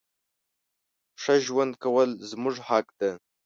ښه ژوند کول زموږ حق ده.